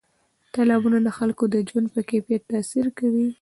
تالابونه د خلکو د ژوند په کیفیت تاثیر کوي.